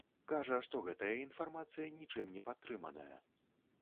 Кажа, што гэтая інфармацыя нічым не падтрыманая.